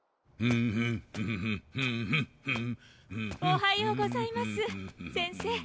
おはようございます先生。